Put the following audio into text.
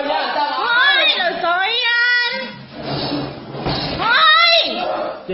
เดี๋ยวโฉไนท์